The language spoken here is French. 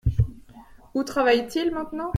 Où travaille-t-il maintenant ?